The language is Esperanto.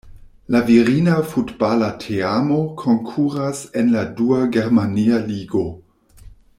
La virina futbala teamo konkuras en la dua germania ligo.